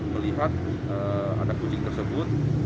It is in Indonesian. melihat ada kucing tersebut